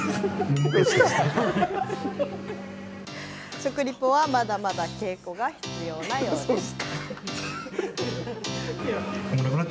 食リポはまだまだ稽古が必要なようです。